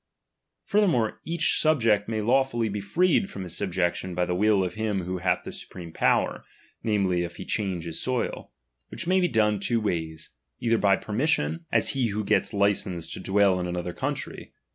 Furthermore, each ^| subject may lawfully be freed from his subjection ^| by the will of him who hath the supreme power, ^| namely, if he change his soil ; which may be done ^| two ways, either by permission, as he who gets ^| 109 DOMINION. .